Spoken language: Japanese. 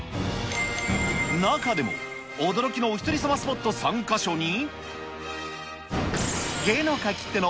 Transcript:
中でも驚きのおひとり様スポット３か所に。